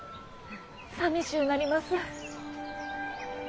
さみしゅうなります。